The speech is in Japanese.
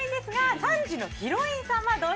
３時のヒロインどうだ。